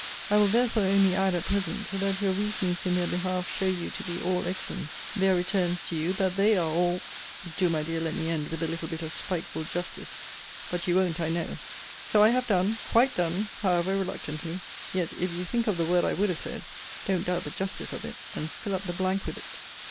I will therefore only add at present, That your reasonings in their behalf show you to be all excellence; their returns to you that they are all Do, my dear, let me end with a little bit of spiteful justice but you won't, I know so I have done, quite done, however reluctantly: yet if you think of the word I would have said, don't doubt the justice of it, and fill up the blank with it.